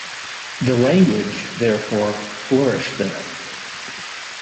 The language therefore flourished there.